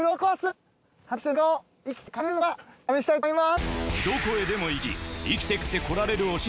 試したいと思います。